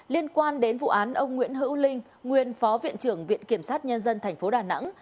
liên quan đến vụ án ông nguyễn hữu linh nguyên phó viện trưởng viện kiểm sát nhân dân tp đà nẵng